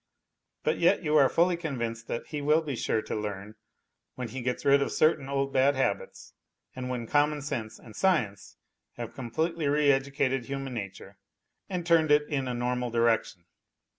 But yet you are fully convinced that he will be sure to learn when he gets rid of certain old bad habits, and when 68 NOTES FROM UNDERGROUND common sense and science have completely re educated human nature and turned it in a normal direction.